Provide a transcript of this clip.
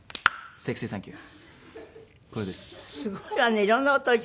セクシーサンキュー！